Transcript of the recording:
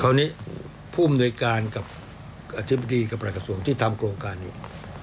คราวนี้ผู้อำนวยการกับอธิบดีกับหลักกระทรวงที่ทำโครงการอยู่